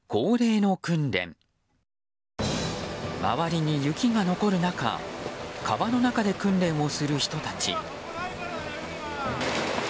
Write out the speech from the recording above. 周りに雪が残る中川の中で訓練をする人たち。